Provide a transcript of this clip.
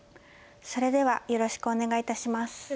それではよろしくお願い致します。